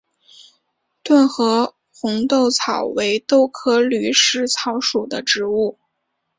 顿河红豆草为豆科驴食草属的植物。